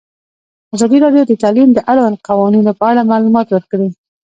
ازادي راډیو د تعلیم د اړونده قوانینو په اړه معلومات ورکړي.